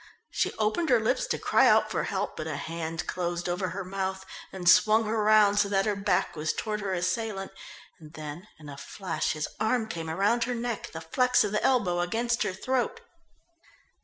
She opened her lips to cry out for help, but a hand closed over her mouth, and swung her round so that her back was toward her assailant, and then in a flash his arm came round her neck, the flex of the elbow against her throat.